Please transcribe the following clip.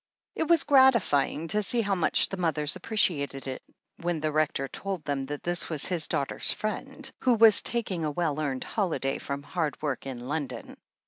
It was gratify ing to see how much the mothers appreciated it, when the Rector told them that this was his daughter's friend, who was taking a well earned holiday from hard work in London.